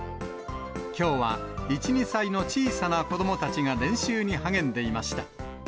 きょうは１、２歳の小さな子どもたちが練習に励んでいました。